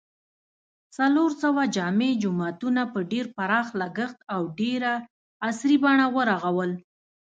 څلورسوه جامع جوماتونه په ډېر پراخ لګښت او ډېره عصري بڼه و رغول